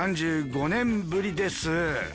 ３５年ぶりです。